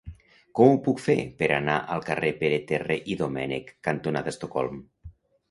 Com ho puc fer per anar al carrer Pere Terré i Domènech cantonada Estocolm?